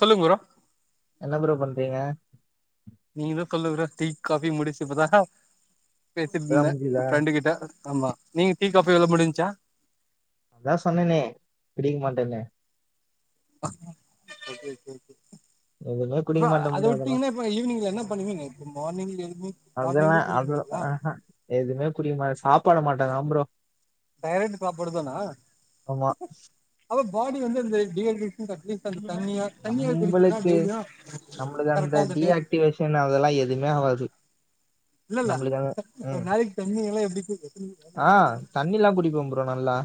சொல்லுங்க ப்ரோ என்ன ப்ரோ பண்றீங்க நீங்கள சொல்லோரு டி காபி முடிச்சுப்பதான் பேசிட்டு இப்பதா இருந்தேன் என் முடிஞ்சுதா ஃப்ரெண்டு கிட்ட ஆமா நீங்க டீ காப்பி எள முடிச்சா அதான் சொன்னேனே குடிக்க மாட்டேனே சேரி சேரி எதுவுமே குடிக்க மாட்டோம் ப்ரோ இப்ப ஈவினிங்ல என்ன பண்ணுவீங்க இப்ப மார்னிங் எழுப்பி மார்னிங்கு அதெல்லாம் குடிக்க அதெல்லாம் அத மாட்டீங்களா அஹ் அஹ் எதுவுமே குடிக்க மாட்ட சாப்படு மாட் காம்பரம் டடைர்ட் சாப்பாடு தனா ஆமா அவ பாடி வந்து இந்த டி அக் நம்மளுக்கு டெய்லியு நம்மளுக்கு அந்த கரெக்டா டேபிள் டிஆக்டிவேஷன் அதெல்லாம் எதுவுமே ஆகாது இல்லல்ல நளைக்கு தண்ணி எல்லாம் எப்படி [unintelligible] ஆஹ் தண்ணில்லாம் குடிப்போம் பரோம் நல்லா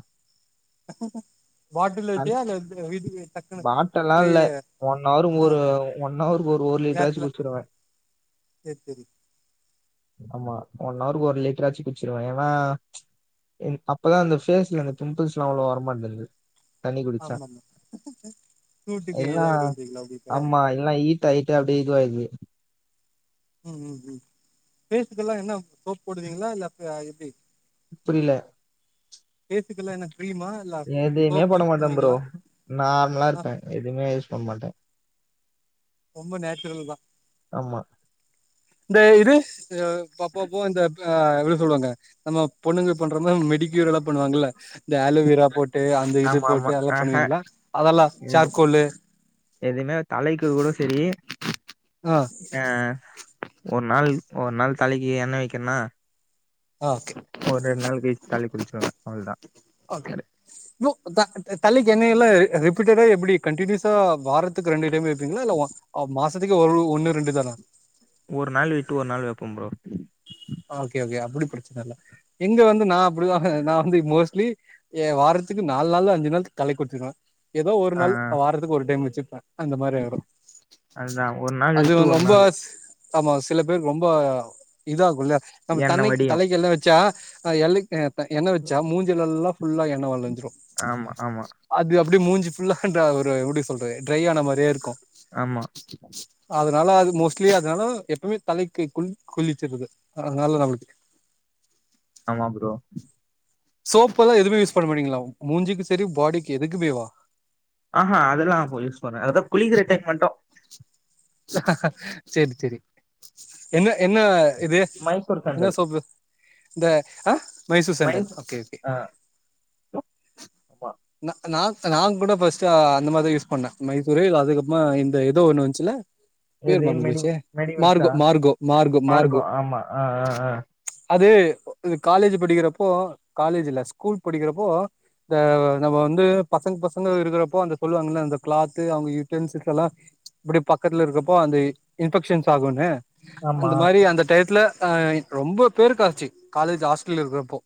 பாட்டில்ல வச்ச அல்லது வீட் த பாட்டெல்லாம் இல்ல ஒன் ஹவரு ஒரு ஒன் ஹவருக்கு ஒரு ஒரு லிட்டராச்சு கிளாஸ்ல குடிச்சிருவேன் சேரி சேரி ஆமா ஒன் ஹவருக்கு ஒரு லிட்டரா ஆச்சு குடிச்சிருவேன் ஏன்னா அப்பதான் அந்த ஃபேஸ்ல இந்த பிம்பிள்ஸ் எல்லாம் அவ்ளவு வராமா இருந்தது தண்ணி குடிச்சா ஆமாமா சூட்டுக்கு எல்லா இதாயிடுன்றீங்களா உங்களுக்கு ஆமா எல்லா ஈத்த ஈத்த அப்டியே இதுவாயிது ம் உம் உம் ம் ஃபேஸுகெல்லா என்ன சோப் போடுவீங்களா இல்ல அப்டி எப்டி புரில ஃபேஸுக்கெல்லா என்ன கிரீமா இல்ல எதுவுமே சோப்பு போட யூஸ் மாட்டே ப்ரோ பண்ணுவீங்களா நார்மலா ஆ இருப்பே எப்பவுமே மாட்டே ரொம்ப நேச்சுரல் தா ஆமா இந்த இது இந்த பப்பப்போ இந்த எட எப்டி சொல்லுவாங்க நம்ம பொண்ணுங்க பண்றமாரி மெடி [unintelligible] ல்லாம் பண்ணுவாங்களல்ல இந்த ஆல் டாபு ஆமா ஆமா ஆஹ் ஹ அதெல்லா எது சார்கோலு எதுவுமே தலைக்கு கூட செரி ஆ ஆஹ் ஒரு நாள் ஒரு நாள் தலைக்கு என்ன வைக்கனா ஓக்கே தலை குளிச்சிருவே அவ்ளோதா ஓக்கே புக் பாக்குறது தலைக்கு எண்ணையல ரிப்பீட்டடா எப்டி கண்டினியூஸா வாரத்துக்கு ரெண்டு டைம் வைப்பீங்களா இல்ல வ மாசத்துக்கு ஒ ஒரு ஒண்ணு ரெண்டு தானா ஒரு நாள் விட்டு ஒரு நாள் வைப்பே ப்ரோ ஓக்கே ஓக்கே அப்டி பிரச்சன இல்ல இங்க வந்து ந பொதுவாக நா அப்டி மோஸ்லி ஏ வாரத்துக்கு நாலு நாள் அஞ்சு நாள் தலைக்குளிசிடுவே ஏதோ ஒரு ஆ நாள் வாரத்துக்கு ஒரு டைம் வச் ஆ அந்த மாரி ஆயிடும் அதுதா ஒரு நாள் அது விட்டு ஒரு ரொம்ப நாள் ஆமா சில பேரு ரொம்ப இதாகுள்ள நம்ம எண்ணெ தன்னை வடியு தலைக்கென்ன வச்சா ஆ எல்லைக்கு எண்ண வச்சா மூஞ்சிலல்லா ஃபுல்லா எண்ண வழி ஆமா ஆமா அப்டி மூஞ்சு ஃபுல்லா இத ஒரு எப்டி சொல்றது ட்ரை ஆன மாரியே இருக்கும் ஆமா அதனால அது மோஸ்ட்லி அதனால எப்பமே தலைக்கு குளிகுளிச்சிருது அதனால நம்பளுக் ஆமா புரோ சோப்பல்ல எதுவுமே யூஸ் பண்ண மாட்டீங்களா மூஞ்சுக்கு செரி பாடிக்கு எதுக்குமேவா ஆஹா அதெல்லாம் பொய்சொன்ன அத குளிக்கிற டைம் மட்டும் செரி செரி என்ன என்ன இது மைசூர் என்ன சாண்டல் சோப்பு இந்த அஹ் Mysore sandal okay okay hello ஆமா நா நா நாங் கூட ஃபஸ்ட் அந்த மாதிரிதான் யூஸ் பண்ணேன் மைசுர் அதுக்கப்புறமா இந்த ஏதோ ஒன்னுவந்ச்சுல எது மெடி மெடிமிக்ஸா மார்கோ ஆமா ஆஹ் ஆஹ் அது காலேஜ் படிக்கிறப்போ காலேஜ் இல்ல ஸ்கூல் படிக்கிறப்போ இத நம்ம வந்து பசங்க பசங்க இருக்றப்போ அந்த சொல்லுவாங்க அந்த கிளாத்து அவங்க யூட்டென்ஸ்க்குலாம் இப்படி பக் பக்கத்துல இருக்கப்போ அந்த இன்ஃபெக்சன்ஸ் ஆகுனு ஆமா அந்த மாரி அந்த டையத்ல ஆஹ் ரொம்ப பேருக்கு ஆச்சு காலேஜ் ஹாஸ்டல் இருக்றப்போ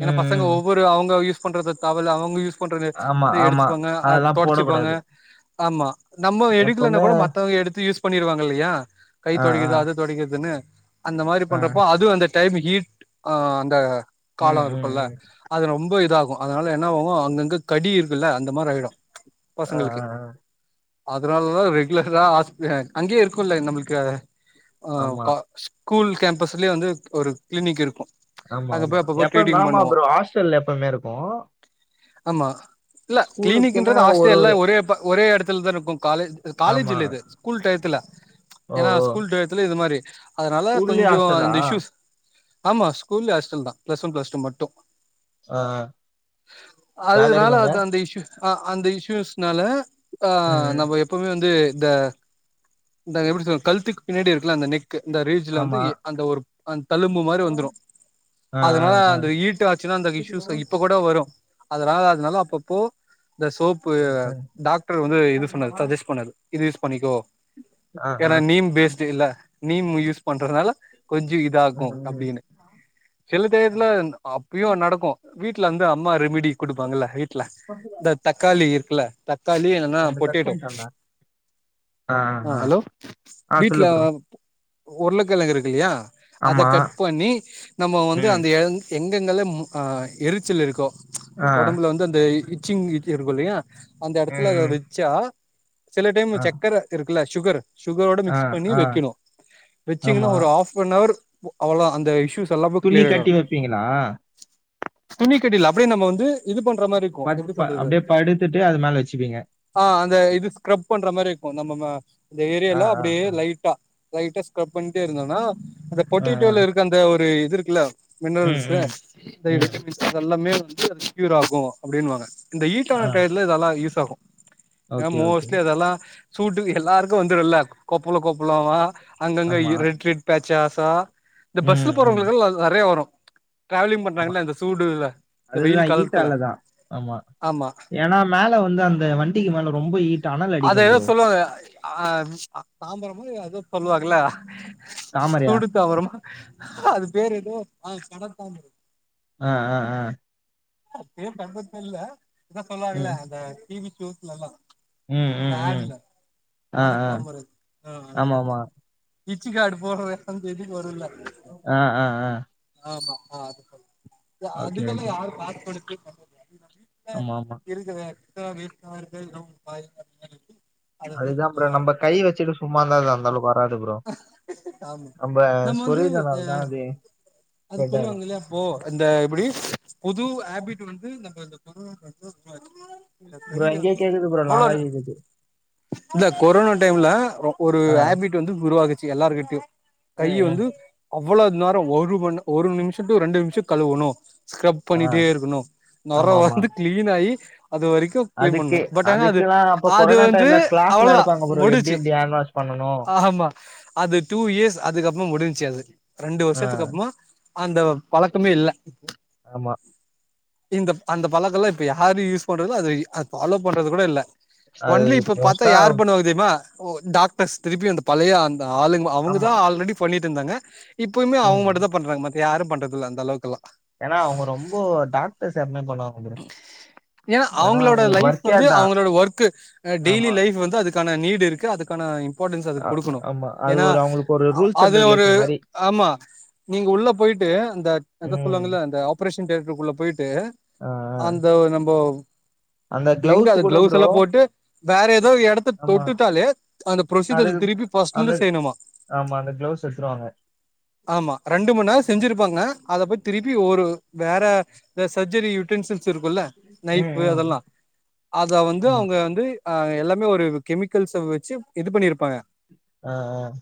ஏன்னா பசங்க ம் ஒவ்வொரு அவங்க யூஸ் பண்றது டவல்அவங்க யூஸ் பண்றது ஆமா இத ஆமா எடுத்துப்பாங்க அது அதெல்லா தொடச்சிப்பாங்க போடக்கூடாது ஆமா நம்ம எடுக்கலான எப்பவுமே கூட மத் எடுத்து யூஸ் பண்ணிருவாங்க இல்லையா கை ஆ ஆ தொடைக்கது அது தொடைக்கதுன்னு அந்த மாதிரி ஆ பண்றப்போ அது வந்து டைம் ஹீட் அந்த ம் காலம் ம் இருக்குல்ல ம் அது ரொம்ப இதாகும் அதனால என்ன ஆகும் அங்கங்க கடி இருக் இல்ல அந்த மாரி ஆயிடும் ஆ ஆ பசங்களுக்கு ஆ அதனால வெய் இல்ல தா ஆஸ்பத் அங்கேயே இருக்கும்ல்ல நம்மளுக்காக ஆஹ் ஆமா கா ஸ் ஸ்கூல் கேம்பஸ்லே வந்து ஒரு க்ளினிக் இருக்கும் ஆமா ஆமா எப்போமேம்மா புரோ ஹாஸ்டல் எப்பமே இருக்கும் ஆமா இல்ல கிளினிக்ன்றது ஹாஸ்டே ஒரு எல்லா ஒரு ஒரே ஒரே எடத்துலதான் இருக்கும் காலேஜ் காலேஜ் ஆமா இல் இது ஸ்கூல் டையத்துல ஓ ஏன்னா ஓ ஸ்கூல் டைத்துல இது மாரி அதனால ஸ்கூல்லயே கொஞ்சம் ஹாஸ்டலா இந்த இஸ்யூஸ் ஆமா ஸ்கூல்லி ஹாஸ்டல் தான் பிளஸ் ஒன் பள டூ மட்டும் ஆ ஆ ஜாலியா அதுனால இருக்குல்ல அந்த அந்த இஷயு அஹ் அந்த இஷயூஸ்னால ம் ஆஹ் ம் நம்ம எப்பவுமே வந் து இந்த எப்படி சொல கழுத்துக்கு பின்னாடி இருக்கலாம் அந்த நெக் இந்த ரீஜல வந்து ஆமா அந்த ஒரு ஆ தழும்பு மாரி வந்துரும் ஆ ஆ அதனால ஆ அந்த ஈட்டு ஆச்சுன்னா அந்த ம், இஷயூஸ் ம். இப்ப கூட வரும் அதன அதனால அப்பப்போ இந்த சோப்பு டாக்டர் வந்து இது சொன்னது சஜஸ்ட் பண்ணாது இது யூஸ் பண்ணிக்கோ ஆ ஆ ஏாரா நீம் பேஸ்ட இல்ல நீம் யூஸ் பண்றதுனால கொஞ்சம் இதாாகும் அப்படின்னு சில தேரத்துல ம் அப்பயும் நடக்கும் வீட்டுல வந்து அம்மா ரெமிடி கொடுப்பாங்கள வீட்டுல ம் இந்த தக்காளி இருக்குல்ல தக்காளி என்னன்னா ரெண்டு கட் பொட்டேட்டோ பண்ட்டான்டா ஆ ஆஹ் ஆ ஹலோ ஆ வீட்டுல சொல்லு ப்ரோ உருளைக்கிழங்கு இருக்கு இல்லையா அத ஆமா கட் பண்ணி நம்ம வந்து ம் அந்த எந் எங் ங்கள அ எரிச்சல் இருக்கோ ஆ உடம்புல வந்து அந்த இச்சிங் இருவக்குல்லயா அந்த ம் இடத்துல அத ம் வச்சா சில டைம் ஆ சக்கரை இருக்கு இல்ல சுகர் சுகரோட ஆ மிக்ஸ் பண்ணி ஆ வைக்கணும் வச்சீங்கன்னா ஆமா ஒரு ஹாப் அன் வர் அவ்வளோ அந்த இஷயூஸ் துண்ணி கட்டி வைப்பீங்களா துணிக்கட்டில் அப்படியே நம்ம வந்து இது பண் பட் ப அப்படியே படுத்துட்டு அது மேல வச்சுப்பீங்க ஆ அந்த இது ஸ்க்ரப் பண்ற மாரி இருக்கும் நம்ம ம இந்த ஆ ஏரியால ஆ அப்படியே ஆ லைட்டா லைட்டா ஸ்கரப் பண்ணிட்டே இருந்தோனா அந்த ஆ ஆ பொட்டேடோல இருக்க அந்த ஒரு திருக்குல ம் மினரல்ஸ் ம் அ ம் விட்டமின்ஸ் அது எல்லாமே க்யூர் ஆகும் அப்படின்னுவாங்க இந்த இட்டான ஆ இதெல்லாம் யூஸ் தகும் ஓகே ஓகே சூட்டுக்கு எல்லாருக்கும் வந்துரும்ல கொப்பல கொப்பலமா அங்கங்க ஆமா ரெட் ரெட் பேச்சாஷ் தோ இந்த ம் பஸ்ல ம் போறவங்களுக்குல்லா நிறைய வரும் ஆமா இந்த வெயில் அதுதான் காலத்துல ஹீட்டாலதான் ஆமா ஆமா ஏன்னா மேல வந்து அந்த வண்டிக்கு மேல ரொம்ப ஹீட் ஆனா அத ஏதோ சொல்லுவாங்க ஆ தாம்பரம்மோ அதோ சொல்லுவாகல தாமரையா கூடு தாவரமா அது பேரு எதோ ஆ கட தாமரை ஆ ஆ ஆ அப்பே தங்கரதில்ல இதுதா சொல்லுவாகல ம் அந்த டிவிகியூ இல்லலாம் ம் இந்த ம் ம் ஆடுல ஆ படர் ஆ தாமரை ஆ அது ஆமா ஆமா இச்சி காடு போட்ற அந்தேது ஆ ஆ ஆ ஆமா ஆ அது சொல் ஓகே, அதுக்கல்லாம் ஓகே. யாரு பா உடுக்கு [unintelligible] இப்ப ஆமா, ஆமா. இருக்குதே வேர்கார்கள்ளும் பாயும் அந்த மா இருக்கு அதுதான் புரோ நம்ம கை வச்சுட்டு சும்மா இருந்தான் இருந்தாலும் வராது புரோ ஆமா நம்ம சொரியந்தனால தான் அது ஸ்பிரெட் ஆயிடும் புடி புது வந்து நம்ப இந்த [unintelligible] இந்த ப்ரோ கைய இங்கேயே வந்து [unintelligible] கேக்குது ப்ரோ லாங்கா கேக்குது. இந்த கொரோனா டைம்ல ஒ ஒரு ஆ. ஹேபிட் வந்து உருவாகு ச்சு எல்லாருகிட்டயு கை ம், ம். வந்து இவ்ளோ நேரோ ஒரு வன் ஒரு நிமிஷத்துக்கு ரெண்டு நிமிஷோ கழுவணு ஸ்கரப் ஆ. பண்ணிட்டே இரு க்கணு நொற ஆமாமா. வந்து கிளீன் ஆ கி அதுவரைக்கு கிளீன் அதுக்கு பண்ணணு பட் ஆனா அது அதுக்கெல்லாம் அப்ப அது கொரோனா வந்து டைம்ல கிளாஸ்லாம் அவ்ளவுதா எடுப்பாங்க ப்ரோ. எப்டி முடிஞ்ச்சு எப்டி ஹேண்ட் வாஷ் பண்ணணும். ஆமா அது டூ இயர்ஸ் அதுக்கப்புறமா முடிஞ்ச்சு அது ரெண்டு ஆ. வருஷத்துக்கு அப்புறமா அந்த பழக்கமே இல்ல ஆமா இந்த அந்த பழக்கோ எல்லா இப்ப யாரு யூஸ் பண்றது இல்ல அது ஃபாலோ பண்றது கூட இல்ல அது ஒன்லி இப்ப பாத்தா மோஸ்ட்டா யார் பண்ணுவாங்க தெரியுமா ஓ டாக் டர்ஸ் திருப்பி அந்த பழைய ஆளுங்க ஆமா. அவங்கதா ஆல்ரெடி பண்ணிட் ருந்தாங்க இப்பயுமே அவங்க ம். மட்டுந்தா பண்றாங்க மத் யாரும் பண்றதில்ல அந்தளவுக்கெல்லா ஏன்னா அவங்க ரொம்போ டாக்டர்ஸ் அது மாரி ஏன்னா அவங்களோட அவங்களுக்கு லைஃப் ஒர்க்கே வந்து அதான். அவங்களோட ஒர்க் அ டெய்லி ஆமா. லைஃப் வந்து அதுக்கான நீ டு இருக்கு அதுக்கான இம்பார்ட்டன்ஸ் அதுக்கு அ- குடுக்கணு ஆமா. அது ஏன்னா ஒரு அவங்களுக்கு ஒரு அ ரூல்ஸ் அது அண்ட் ஒரு ரெகுலேஷன் மாரி. ஆமா நீங்க உள்ள போயிட்டு அந்த அதா ம். சொல்வாங்கல்ல அந்த ஆபரேஷன் தியேட்டருக்குள்ள போய்ட்டு ஆ, ஆ. அந்த நம்போ அந்த எங்க கிளவுஸ் அது கூட கிளவ்ஸ் ப்ரோ எல்லா போட்டு வேற ஏதோ எடத்த ஆமா தொட்டுட்டாலே அந்த அது புரொசீஜர் திருப்பிப் ஃபஸ்ர்ட்ல அந்த இருந்து செய்யணுமா ஆமா அந்த கிளவுஸ் எடுத்துருவாங்க ஆமா ரெண்டு மணி நேரோ செஞ்சிருப்பாங்க அத போய் திருப்பி ஒரு வேற சர்ஜரி யு ட்டென்ஷு இருக்கும்ல ம் நைஃபு ம் அதெல்லா அத வந்து ஆமா அவங்க வந்து ஆ எல்லாமே ஒரு கெமிக்கல்ஸ வச்சு இது பண்ணிருப்பாங்க ஆஹ் ஆஹ்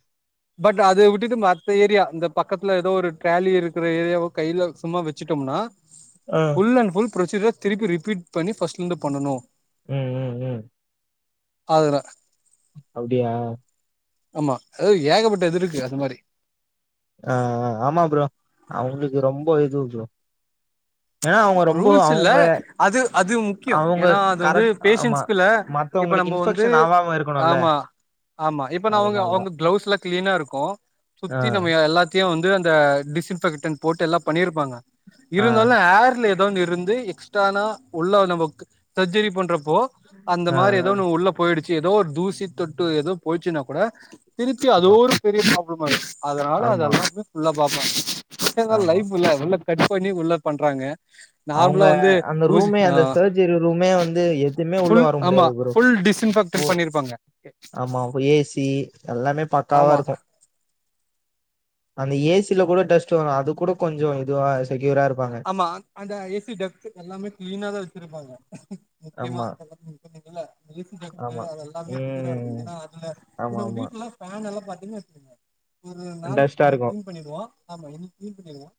பட் அத விட்டுட்டு மத்த ஏரியா இந்த பக்கத்துல ஏதோ ஒரு ட்ராலி இருக்கிற ஏரியாவோ கையில சும்மா வச்சுட்டோம்னா ஆஹ் புன ப்ரொசீஜர திருப்பி ரிபீட் பண்ணி ஃபஸ்ட்ல இருந்து பண்ணனு உம் உம் உம் அதுல அப்டியா ஆமா அது ஏகப்பட்டது இருக்கு அந்த மாரி ஆஹ் ஆமா ப்ரோ அவங்களுக்கு ரொம்ப இது ஜோ ரூல்ஸ் இல்ல அது அது முக்கியம் அவங்க ஏன்னா அது வந்து கரெக்ட் ஆமா பேஷன்ஸ்கள்ள இப்ப மத்தவங்களுக்கு நம்ப வந்து இன்ஃபெக்ஷன் ஆவாம இருக்கணும்ல ஆமா ஆமா இப்ப அதனால அவங்க தான் கிளவுஸ் எல்லா கிளீனா இருக்கும் கோ ஆ சுத்தி நம எல்லாத்தையும் வந்து அந்த டிஸ் இன்பெக்ட போட்டு எல்லாம் பண்ணிருப்பாங்க ஆ இருந்தாலு ஆர் ஏதா ஒன்னு இருந்து எக்ஸ்ட்னா உள்ள நம் சர்ஜரி பண்ற இப்ப அந்த ஆ ஆ மாரி ஏதோ ஒன்னு உள்ள போயிடுச் ஏதோ ஒரு தூசி தொட்டு ஏதோ போயச்சுன்னா கூட திருத்தி அதோ ஆமா ஒரு பெரிய பாவ ஆமாங்க அதனால அது ஆமா அல்லாமே பியுள்ள வாப்பா எப்புடி இருந்தாலும் ஆமா லைப் இல்ல [unintelligible] கட் பண்ணி உள்ள பண்றாங்க அவங்க நார்மலா வந்து அந்த ஊசி ரூமே ஆ அந்த சர்ஜரி ரூமே வந்து எதுமே உள்ள ஃபுல் வர ஆமா முடியாது ப்ரோ ஃபுல் கு டிஸ்இன்ஃபெக்டன் பண்ணிருப்பாங்க ஆமா ஏசி எல்லாமே பக்காவ ஆமா இருக்கும் அந்த ஏசில கூட டஸ்ட் வரும் அது கூட கொஞ்சம் இதுவா செக்யூரா இருப்பாங்க ஆமா அந்த ஏசி டெஸ்க் எல்லாமே கிளீனா தான் வச்சிருப்பாங்க முக்கியமா ஆமா, எல்லாமே புா இருக் [unintelligible] ஆமா. கு ம். ஏன்னா அதுல ஆமா, ஆமா. வீட்டு எாம் சொ [unintelligible] ஒரு நாளை டஸ்ட்டா நி இருக்கும். கிளீன் பண்ணிடுவோம் ஆமா இ கிளீன் பண்ணிடுவோம்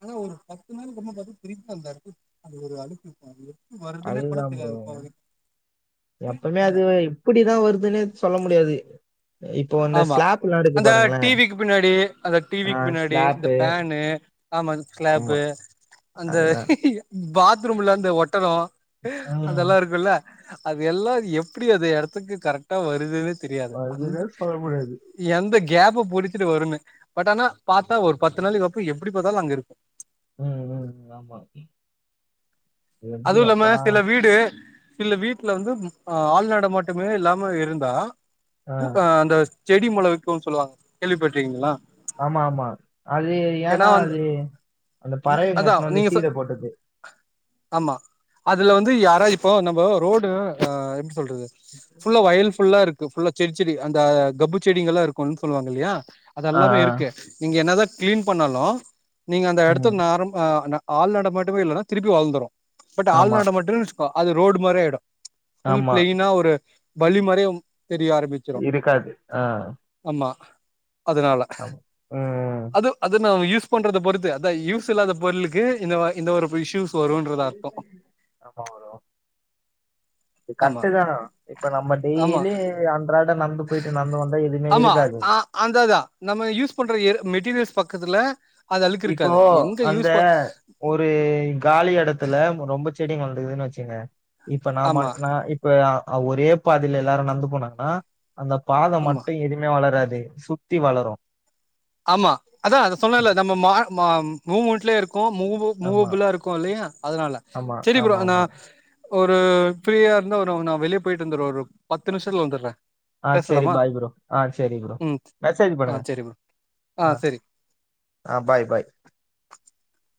ஆன ஒரு பத் ரொம்ப ப்த்த பிரிபாந்தான் இருக்கு அது ஒரு அழுப்பு இருக்கும் [unintelligible] அதுதான் புரோ எப்பமே என்ன அது இப்படிதான் வருதுன்னு சொல்ல முடியாது இப்போ இந்த ஆமா ஸ்லாப்லாம் இருக்கு அந்த பாருங்களேன். டிவிக்கு பின்னாடி அந்த ஆ டிவிக்கு பின்னாடி இந்த ஸ்லாப்பு பேனு ஆமா ஆமா. ஸ்லாப்பு அந்த அதுதான். பாத்ரூம்ல அந்த ஒட்டலம் ம். அதெல்லாம் இருக்குல்ல அது எல்லாம் எப்படி அது இடத்துக்கு கரெக்டா வருதுன்னே தெரியாது அந்த வருதுன்னே சொல்ல முடியாது. எந்தகி கேப்ப புடிச்சிட்டு வரும்ணு பட் ஆனா பார்த்தா ஒரு பத்து நாளைக்கு அப்புறம் எப்படிப்பத்தாலும் அங்க இருக்கும் உம் உம் ஆமா எப்படி அப்பா இல்ல வீட்டுல வந்து ஆள்நாட மட்டுமே இல்லாம இருந்தா ஆ. அஹ் அந்த செடி மொளைவைக்கும் சொல்லுவாங்க கேள்விப்பட்டிருக்கீங்களா ஆமா ஆமா அது ஏன்னா வந்து அது அந்த பறவைங்க அதா எத்துவந்து நீங்க சொ தீல போட்டது ஆமா அதுல வந்து யாரா இப்போ நம்ம ரோடுஹ எப்டி சொல்றது புல்ல வயிறுபுல்லா இருக்கு புல்ல சிரி சிரி அந்த கப்பு செடி எல்லாம் இருக்கும்ணும்னு சொல்லுவாங்க இல்லையா ஆ, அதல்லாமே ஆ. இருக்கு நீங்க என்னதான் கிளீன் பண்ணாலும் நீங்க அந்த ம். இடத்துக்கு ஆரம்ப ஆரம ஆள்நாட மாட்டமே இல்லன திருப்பி வளந்திடும் பட் ஆமா, ஆள்நட மாட்டமே ஹ அது ரோடு மாரி ஆயுடும் ஃபூல் ஆமா. பிளைய்னா ஒரு பல்லி மறியே தெரிய ஆரம்பிச்சிரோ ஆஹ் ம அதனால ம். அது அது யூஸ் யூஸ்பண்றத பொறுத்து அத யூஸ் இல்லாத பொருளுக்கு இந்த இந்த ஒரு இயூஸ் வரும்றது அர்த்தம் ஆமா ப்ரோ. இது கர்டு தா இப்ப நம்ம ஆமா டெய்லி அன்றாட நடந்துபோயிட்டு ஆமா அந்தான் நம்ம யூஸ் பண்ற மெட்டீரியல்ஸ் பக்கத்துல அது அழுக்கு இப்போ இருக்காது எங்க அந்த யூஸ் ப ஒரு காலி இடத்துல ரொம்ப செடி வளந்து இருக்குதுன்னு வச்சீங்க இப்ப நான்ம ஆமா நான் இப்ப ஒரே பாதில எல்லாரும் நந்து போனாங்கன்னா அந்த பாதை ஆமா மட்டும் எதுவுமே வளராது ஏய் சுத்தி வளரும் ஆமா அதா சொன்னேல நம்ம மா மா முமென்ட்லே இருக் மூ ஆமா, மூவபுளா இருக்கும் இல்லையா அதனால ஆமா, சேரி ப்ரோ ஆமா, ஆமா. ஒரு ஃப்ரீயா இருந்தா நா நா வெளிய போயிட்டு வந்துரு ஆஹ் சேரி பாய் ப்ரோ ஆஹ சேரி ப்ரோ ம் மெசேஜ் ஆ பண்ணுங்க சரி ப்ரோ ஆ ஆஹ் சரி ஆஹ் பாய் பாய் [inaudible]